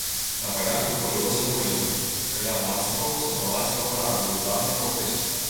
На палях ўтварылася возера, каля насыпаў сабралася вада ў велізарнай колькасці.